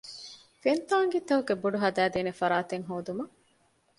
ފެންތާނގީތަކުގެ ބުޑު ހަދައިދޭނެ ފަރާތެއް ހޯދުމަށް